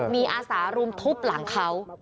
มีอาสารุมทุบหลังเขา